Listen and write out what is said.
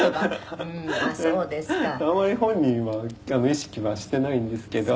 「あんまり本人は意識はしていないんですけど」